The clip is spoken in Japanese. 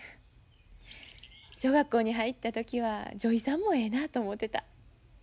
女学校に入った時は女医さんもええなあと思うてた。